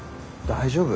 大丈夫？